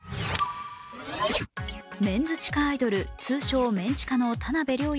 メンズ地下アイドル、通称・メン地下の田辺稜弥